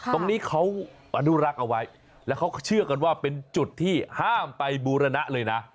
ตรงนี้เขาอนุรักษ์เอาไว้แล้วเขาเชื่อกันว่าเป็นจุดที่ห้ามไปบูรณะเลยนะ